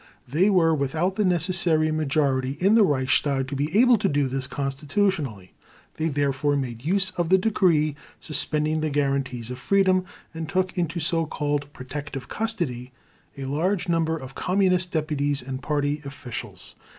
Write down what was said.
They were without the necessary majority in the Reichstag to be able to do this constitutionally. They therefore made use of the decree suspending the guarantees of freedom and took into so called "protective custody" a large number of Communist deputies and Party officials.